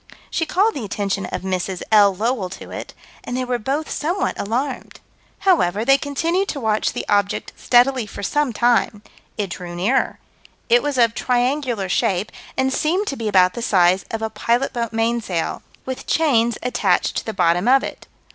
She called the attention of Mrs. L. Lowell to it, and they were both somewhat alarmed. However, they continued to watch the object steadily for some time. It drew nearer. It was of triangular shape, and seemed to be about the size of a pilot boat mainsail, with chains attached to the bottom of it.